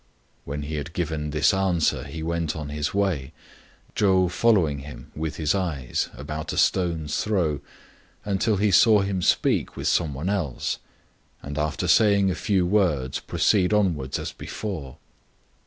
When he had given this answer he went on his way, Chou following him with his eyes about a stone's throw, until he saw him speak with some one else, and, after saying a few words, proceed onwards as be fore.